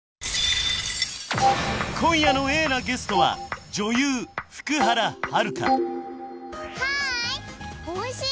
今夜のＡなゲストは女優はーい！